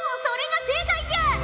それが正解じゃ。